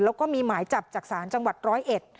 แล้วก็มีหมายจับจากศาลจังหวัดร้อยเอ็ด